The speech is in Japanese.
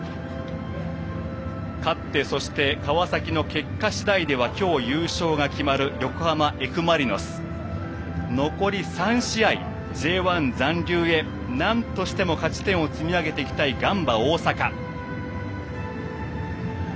勝って川崎の結果次第では今日優勝が決まる横浜Ｆ・マリノス残り３試合、Ｊ１残留へなんとしても勝ち点を積み上げていきたいガンバ大阪。